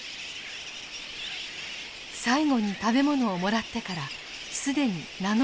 最後に食べ物をもらってからすでに７日。